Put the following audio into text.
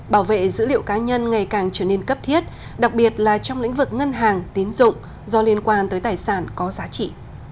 bảo vệ dữ liệu cá nhân ngày càng trở nên cấp thiết đặc biệt là trong lĩnh vực ngân hàng tín dụng do liên quan tới tài sản có giá trị